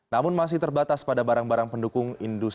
namun masih terbatas pada b a dan cukai